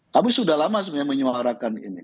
tapi sudah lama sebenarnya menyewa harakan ini